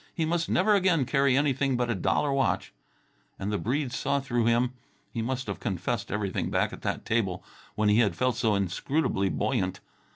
He must never again carry anything but a dollar watch. And the Breedes saw through him. He must have confessed everything back at that table when he had felt so inscrutably buoyant.